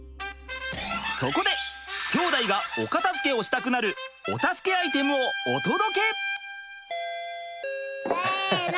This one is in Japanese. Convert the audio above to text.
そこで兄弟がお片づけをしたくなるお助けアイテムをお届け！せの！